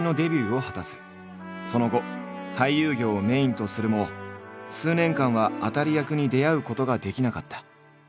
その後俳優業をメインとするも数年間は当たり役に出会うことができなかった。